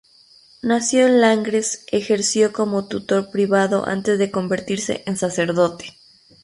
Nació en Langres, ejerció como tutor privado antes de convertirse en sacerdote.